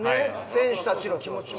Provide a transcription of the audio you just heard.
選手たちの気持ちも。